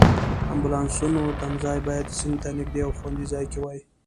د امبولانسونو تمځای باید سیند ته نږدې او خوندي ځای کې وای.